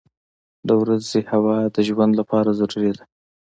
• د ورځې هوا د ژوند لپاره ضروري ده.